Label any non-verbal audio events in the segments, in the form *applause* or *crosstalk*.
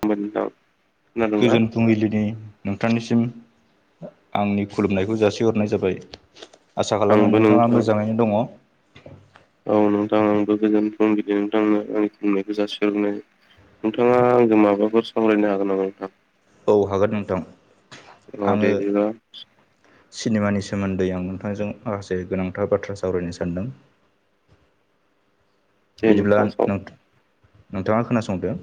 *unintelligible* खोनादोंना गोजोन फुंबिलिनि नोंथांनिसिम आंनि खुलुमनायखौ जासिहरनाय जाबाय आसा खालामो आंबो नोंथाङा नोंथां मोजाङैनो दङ औ नोंथां आंबो गोजोनथों बिदों नोंथांनो आंनि खुलुनायखौ जासिहरनाय नोंथाङा आंजों माबाफोर सावरायनो हागोन नामा नोंथां औ हागोन नोंथां औ दे आङो बिदिबा सिनेमानि सोमोन्दै आं नोंथांजों माखासे गोनांथार बाथ्रा सावरायनो सानदों दे बिदिब्ला नोंथां साव नोंथ-नोंथाङा खोनासंदो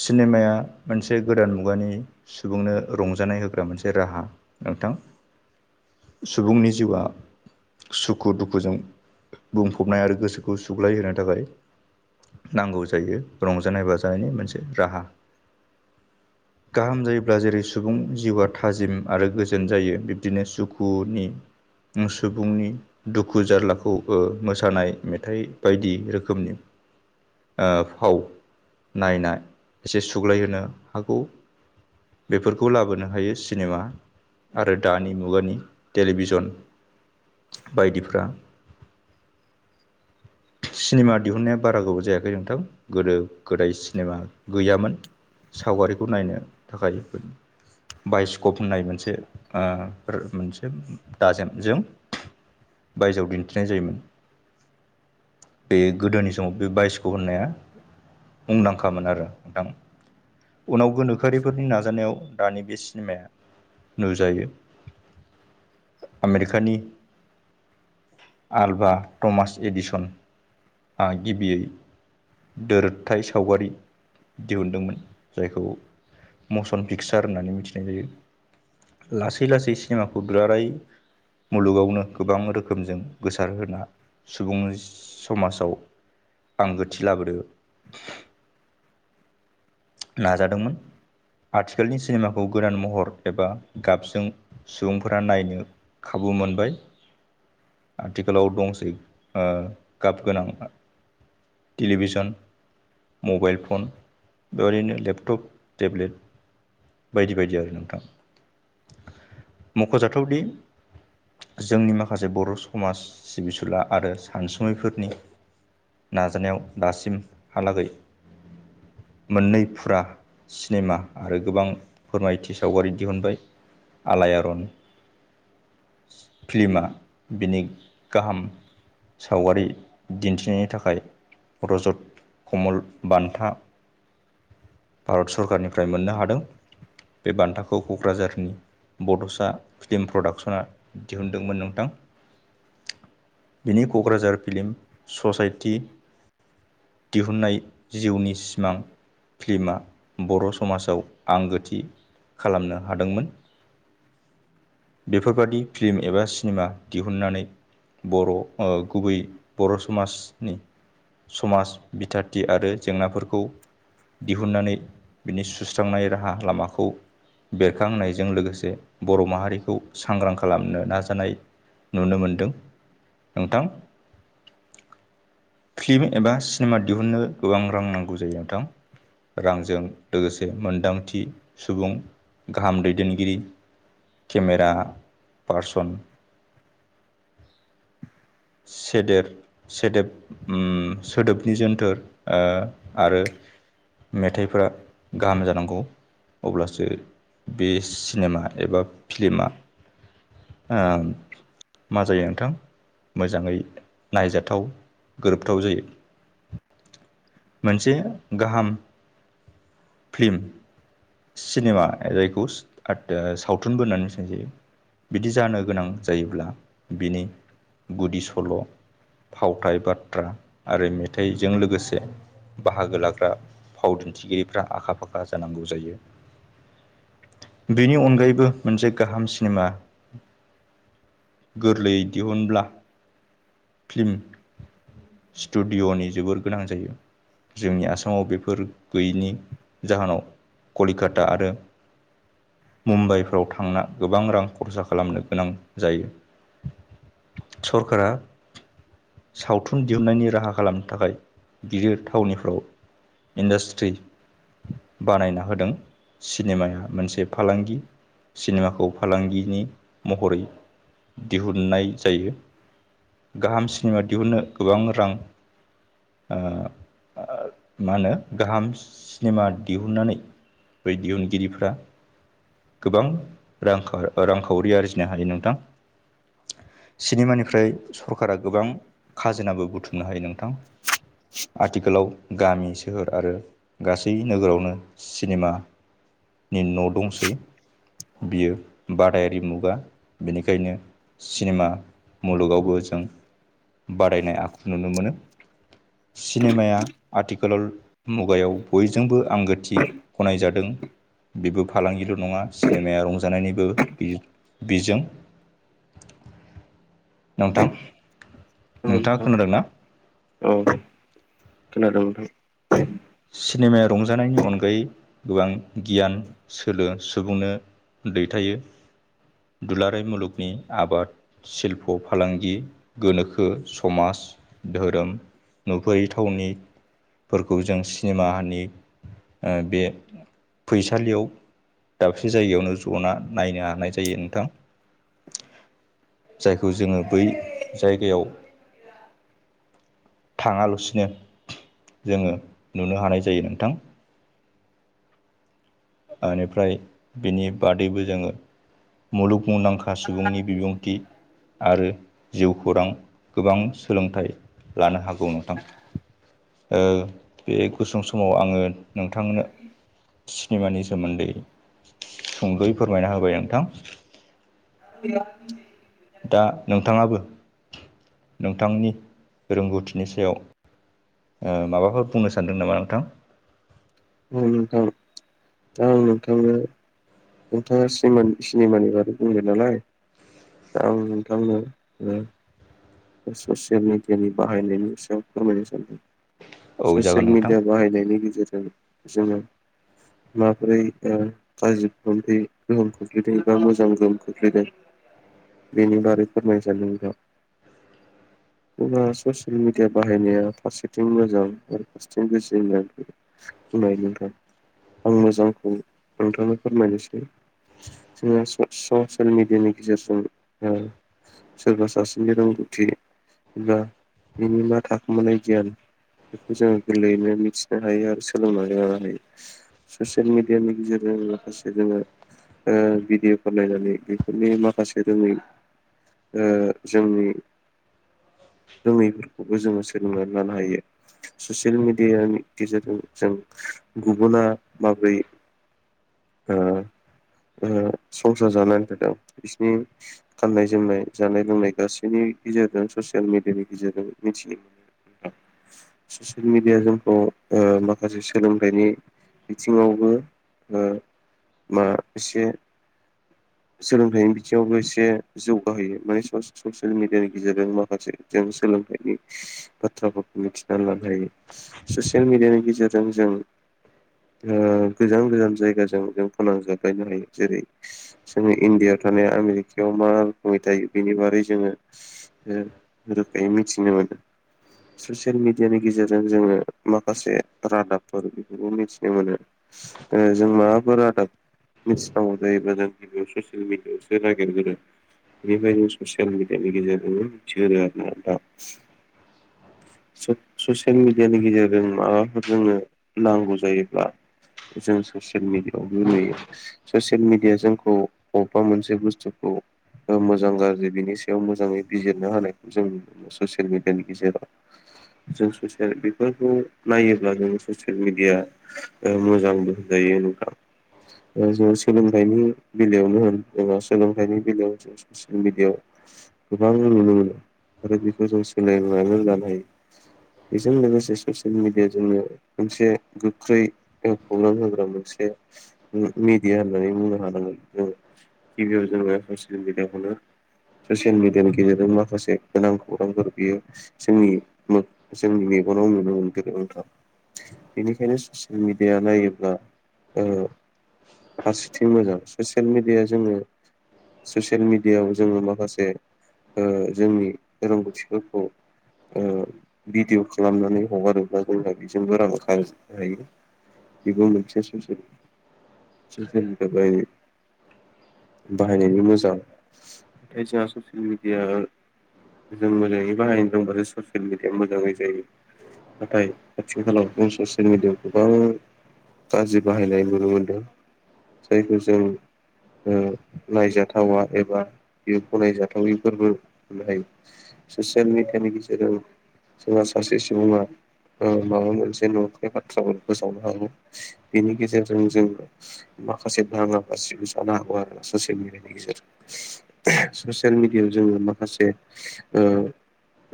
सिनेमाया मोनसे गोदान मुगानि सुबुंनो रंजानाय होग्रा मोनसे राहा नोंथां सुबुंनि जिउआ सुखु दुखुजों बुंफबनाय आरो गोसोखौ सुग्लायहोनो थाखाय नांगौ जायो रंजानाय बाजानायनि मोनसे राहा *inaudible* गाहाम जायोब्ला जेरै सुबुं जिउआ थाजिम आरो गोजोन जायो बिब्दिनो सुखुनि सुबुंनि दुखु जारलाखौ ओ मोसानाय मेथाइ बायदि रोखोमनि फाव नायना एसे सुग्लायहोनो हागौ बेफोरखौ लाबोनो हायो सिनेमा आरो दानि मुगानि टेलिभिजन बायदिफ्रा सिनेमा दिहुननाया बारा गोबाव जायाखै नोंथां गोदो गोदाय सिनेमा गैयामोन सावगारिखौ नायनो थाखाय बायस्कप होननाय मोनसो ओ मोनसे दाजेमजों बायजोआव दिन्थिनाय जायोमोन बे गोदोनि समाव बे बाइसक' होननाया मुंदांखामोन आरो नोंथां उनाव गोनोखोआरिफोरनि नाजानायाव दानि बे सिनेमाया नुजायो। आमेरिकानि आलभा टमास एडिसन आ गिबियै दोरोोबथ सावगारि दिहुनदोंमोन जायखौ मसन पिक्सार होननानै मिथिनाय जायो। लासै लासै सिनेमाखौ दुलाराय मुलुगावनो गोबां रोखोमजों गोसारहोना सुबुंनि समाजाव आंगोथि लाबोदो नाजादोंमोन आथिखालनि सिनेमाखौ गोदान महर एबा गाबजों सुबुंफोरा नायनो खाबु मोनबाय आथिखालाव दंसै गाब गोनां टेलिभिजन मबाइल फन। बेबायदिनो लेपटप टेब्लेट बायदि बायदि आरो नोंथां। मख'जाथावदि जोंनि माखासे बर' समाज सिबिसुला आरो सानसुमैफोरनि नाजानायाव दासिमहालागै। मोननै फुरा सिनेमा आरो गोबां फोरमायथि सावगारि दिहुनबाय आलायारन फ्ल्मा बिनि गाहाम सावगारि दिन्थिनायनि थाखाय रजत, कमल, बान्था भारत सरकारनिफ्राय मोननो हादों। बे बान्थाखौ क'क्राझारनि बड'सा फिल्म प्रडाक्सना। दिहुनदोंमोन नोंथां। बिनि क'क्राझार फिल्म ससाइटि दिहुननाय जिउनि सिमां फिल्मा बर' समाजाव आंगोथि खालामनो हादोंमोन। बेफोरबादि फिल्म एबा सिनेमा दिहुनन्नानै। बर' गुबै बर' समाजनि समाज बिथाथि आरो जेंनाफोरखौ दिहुननानै बिनि सुस्रांनाय राहा लामाखौ। बेरखांनायजों लोगोसे बर' माहारिखौ सांग्रां खालामनो नाजानाय नुनो मोनदों नोंथां। फिल्म एबा सिनेमा दिहुननो गोबां रां नांगौ जायो नोंथां। रांजों लोगोसे मोनदांथि सुबुं गाहाम दैदेनगिरि केमेरा पार्सन सेदे सोदोब सोदोबनि जोनथोर ओ आरो। मेथाइफोरा गाहाम जानांगौ। अब्लासो बे सिनेमा एबा फिल्मा ओ मा जायो नोंथां। मोजाङै नायजाथाव गोरोबथाव जायो। मोनसे गाहाम। फ्लि सिनेमा जायखौ सावथुनबो होननानै मिथिनाय जायो। बिदि जानो गोनां जायोब्ला बिनि गुदि सल' फावथाय बाथ्रा आरो मेथाइजों लोगोसे बाहागो लाग्रा फाव दिनथिगिरिफ्रा आखा फाखा जानांगौ जायो। बिनि अनगायैबो मोनसे गाहाम सिनेमा। गोरलै दिहुनब्ला फिल्म स्टुडिअ'नि जोबोर गोनां जायो। जोंनि आसामाव बेफोर गैयैनि जाहोनाव कलिकाता आरो मुम्बाइफ्राव थांना गोबां रां खरसा खालामनो गोनां जायो। सरकारा सावथुन दिहुननायनि राहा खालामनो थाखाय बियो थावनिखौ इन्डास्ट्रि बानायना होदों सिनेमाया मोनसे फालांगि सिनेमाखौ फालांगिनि महरै दिहुननाय जायो। गाहाम सिनेमा दिहुननो गोबां रां ओ ओ मा होनो गाहाम सिनेमा दिहुननानै बै दिहुनगिरिफ्रा गोबां रांखाव रांखावरि आरजिनो हायो नोंथां। सिनेमानिफ्राय सरखारा गोबां खाजोनाबो बुथुम नो हायो नोंथां। आथिखालाव गामि सोहोर आरो गासै नोगोरावनो सिनेमा नि न' दंसै बियो बादायारि मुगा बेनिखायनो सिनेमा मुलुगावबो जों बादायनाय आखु नुनो मोनो। सिनेमाया आथिखालाव मुगायाव बयजोंबो आंगोथि गनाय जादों। बेबो फालांगिल' नङा सिनेमाया रंजानायनिबो बि-बिजों *inaudible* नोंथां औ नोंथाङा नोंथां खोनादोंना औ खोनादों नोंथां सिनेमाया रंजानायनि अनगायै गोबां गियान सोलो सुबुंनो दैथायो दुलाराय मुलुगनि आबाद शिल्प' फालांगि गोनोखो समाज धोरोम नुफैयै थावनिफोरखौ जों सिनेमानि ओ बे फैसालियाव दाबसे जायगायावनो जना नायनो हानाय जायो नोंथां। जायखौ जोङो बै जायगायाव थाङालासिनो जोङो नुनो हानाय जायो नोंथां। बेनिफ्राय बिनि बादैबो जोङो मुलुग मुंदांखा सुबुंनि बिबुंथि आरो जिउखौरां गोबां सोलोंथाइ लानो हागौ नोंथां। ओ बे गुसुं समाव आङो नोंथांनो सिनेमानि सोमोनदै सुंद'यै फोरमायना होबाय नोंथां। ह *unintelligible* दा नोंथांङाबो नोंथांनि रोंगौथिनि सायाव माबाफोर बुंनो सानदों नामा नोंथां? औ नोंथां औ नोंथांनो नोंथांङा सिमा-सिनेमानि बागै बुंदों नालाय आं नोंथांनो ओ ससियेल मिडियानि बाहायनायनि सायाव फोरमायनो सानदों। औ जागोन ससियेल नोंथां मिडिया बाहायनायनि गेजेरजों जोङो माबोरै ओ गाज्रि गोहोम खोख्लैदों एबा मोजां गोहोम खोख्लैदों। बेनि बारै फोरमाय सानदों नोंथां। जेब्ला ससियेल मिडिया बाहायनाया फारसेथिं मोजां आरो फारसेथिं गाज्रि होननाय बुंनाय नोंथां आं मोजांखौ नोंथांनो फोरमायनोसै। जोंना ससियेल मिडियानि गेजेरजों सोरबा सासेनि रोंगौ बिनि एबा थाखोमानाय गियान बेखौ जोंङो गोरलैयैनो मिथिनो हायो आरो सोलोंनानै लानो हायो। ससियेल मेडियानि गेजेरजों माखासे जोंङो ओ भिडिअफोर नायनानै बेफोरनि माखासे रोङै ओ जोंनि रोंङैफोरखौबो जोंङो सोलोंनानै लानो हायो। ससियेल मिडियानि गेजेरजों जों गुबुना माबोरै ओ ओ संसार जानानै थादों बिसिनि गाननाय जोमनाय जानाय लोंनाय गासैनि गेजेरजों ससियेल मिडियानि गेजेरजों मिथियो। ससियेल मिडिया जोंखौ ओ माखासे सोलोंथाइनि बिथिंङावबो ओ बा एसे सोलोंथाइनि बिथिङावबो एसे जौगाहोयो माने सस ससियेल मिडियानि गेजेरजों माखासे जों सोलोंथाइनि बाथ्राफोरखौ मिथिनानै लानो हायो ससियेल मिडियानि गेजेरजों जों ओ गोजान गोजान जायगाजों जों फोनांजाबलायनो हायो जेरै जोङो इण्डियाव थानाया आमेरिकायाव मा रोखोमै थायो बेनि बारै जोङो ओ रोखायै मिथिनो मोनो। ससियेल मिडियानि गेजेरजों जोंङो माखासे रादाबफोर बेखोबो मिथिनो मोनो। ओ जों मा बेफोर रादाब मिथिनांगौ जायोब्ला जों गिबियाव ससियेल मिडिआवसो नागिरग्रोगोन। बेबादिनो ससियेल मिडियानि गेजेरजोंनो मिथियो आरोना बा ससियेल मिडियानि गेजेरजों माबाफोर जोंनो नांगौ जायोब्ला जों ससियेल मिडियाव गेलेयो। ससियेल मिडिया जोंखौ बबेबा मोनसे बुस्थुखौ ओ मोजां गाज्रि बिनि सायाव मोजाङै बिजिरना होनायखौ जों ससियेल मिडियानि गेजेराव जों ससियेल बेफोरखौ नायोब्ला जों ससेयेल मिडिया ओ मोजांबो होनजायो नोंथां। ओ जों सोलोंथाइनि बेलायावनो होन एबा सोलोंथाइनि बेलायाव ससियेल मिडियाआव गोबां नुनो मोनो आरो बेखौ जों सोलोंनानै लानो हायो। बेजों लोगोसे ससियेल मिडिया जोंनो मोनसे गोख्रै ओ खौरां होग्रा मोनसे मेडिया होननानै बुंनो हानांगोन जोङो। गिबियाव जोङो ससियेल मिडियाखौनो ससियेल मिडियानि गेजेरजों माखासे गोनां खौरांफोर बियो जोंनि मे जोंनि मेगनाव नुनो मोनगोन नोंथां। बेनिखायनो ससियेल मिडिया नायोब्ला ओ फारसेथिं मोजां ससियेल मेडिया जोङो ससियेल मिडियाव जोंङो माखासे ओ जोंनि रोंगौथिफोरखौ ओ भिडिअ' खालामनानै हगारोब्ला जोङा बिजोंबो रांखो आरजिनो हायो। बिबो मोनसे ससियेल। ससियेल मेडिया बाहायो बाहायनायनि मोजां। ओमफाय जोंहा ससियेल मेडिया जों मोजाङै बाहायनो रोंबासो ससियेल मिडिया मोजाङै जायो। नाथाय आथिखालाव जों ससियेल मिडियाआव गोबां गाज्रि बाहायनाय नुनो मोनदों जायखौ जों ओ नायजाथावा एबा बे गनायजाथाविफोरबो होनो हायो। ससियेल मिडयानि गेजेराव जोंहा सासे सुबुङा ओ माबा मोनसे नंखाय बाथ्राबो फोसावनो हागौ। बिनि गेजेर जों जों माखासे दाङा बाजिबो जानो हागौ आरो ससियेल मिडियानि गेजेरजों। ससियेल मिडियाव जोङो माखासे ओ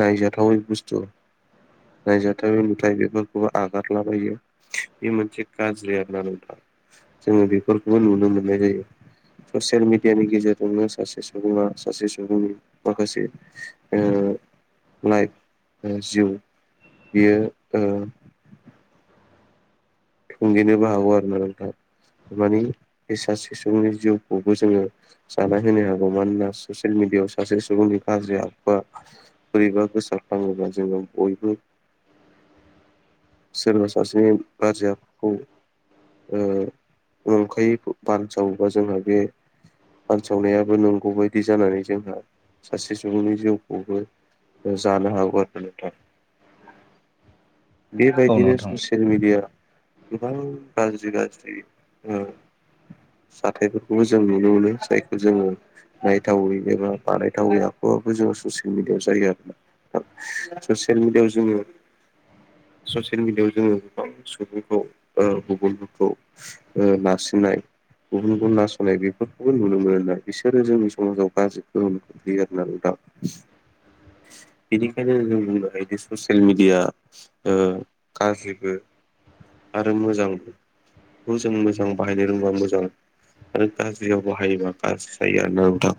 नायजाथावै बुस्थु नायजाथावै नुथाइ बेफोरखौबो आगाद लाबायो बे मोनसे गाज्रि आरोना। जोङो बेफोरखौबो नुनो मोननाय जायो। ससियेल मिडियानि गेजेरजोंनो सासे सुबुङा सासे सुबुंनि माखासे लाइक जिउ बियो थुंगेनोबो हागौ आरो ना नोंथां माने बे सासे सुबुंनि जिउखौबो जोङो। जाना होनो हागौ मानोना ससियेल मिडियाआव सासे सुबुंनि गाज्रि आखुवा बोरैबा गोसारफ्लाङोबा जोङो बयबो सोरबा सासेनि गाज्रि आखुखौ नंखायै बानसावोबा जोंहा बे बानसावनायाबो नंगौ बायदि जानानै जोंहा सासे सुबुंनि जिउखौबो। जानो हागौ आरोना नोंथां। बे औ बादिनो नोंथां ससियेल मेडिया गोबां गाज्रि गाज्रि जाथायफोरखौबो जों नुनो मोनो जायखौ जोङो। नायथावै एबा बानायथावै आखुवाबो जों ससियेल मिडियाआव जायो आरो ना? ससियेल मिडियायाव जोङो। ससियेल मिडियाायाव जोङो गोबां सुबुंखौ गुबुनफोरखौ। ओ नारसिनना गुबुन गुबुन नासयनाय बेफोरखौबो नुनो मोनो आरोना बिसोरो जोंनि समाजाव गाज्रि गोहोम होयो आरोना नोंथां बेनिखायनो जों बुंनो हायो ससियेल मिडिया गाज्रिबो आरो मोजांबो। बेखौ जों मोजां बाहायनो रोंबा मोजां आरो गाज्रियाव बाहायोबा गाज्रि जायो आरोना नोंथां।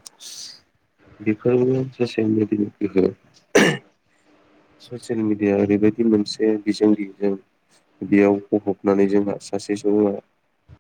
बेफोरबो ससियेल मेडिया नि गोहोम ससियेल मिडिया ओरैबायदि मोनसे बिजोंगिरिजों बेयाव गफबनानै जोंहा सासे सुबुंआ